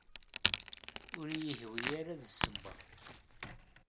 Ur iyi-yehwi ara ad d-ssewweɣ.